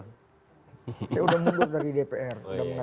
saya sudah mundur dari dpr